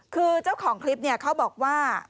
คือเจ้าของคลิปเขาบอกว่า